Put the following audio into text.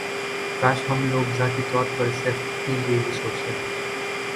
کاش ہم لوگ ذاتی طور پر صرف اپنے لیے ہی سوچتے ہیں